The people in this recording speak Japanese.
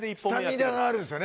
スタミナがあるんですよね。